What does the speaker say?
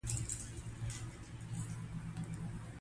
ازادي راډیو د سیاست د ستونزو حل لارې سپارښتنې کړي.